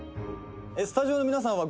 「スタジオの皆さんは」